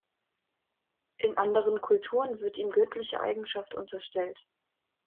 In anderen Kulturen wird ihm göttliche Eigenschaft unterstellt.